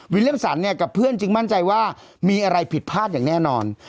เล่มสันเนี่ยกับเพื่อนจึงมั่นใจว่ามีอะไรผิดพลาดอย่างแน่นอน